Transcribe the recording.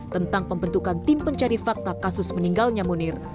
tentang pembentukan tim pencari fakta kasus meninggalnya munir